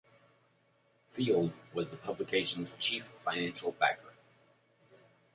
Field was the publication's chief financial backer.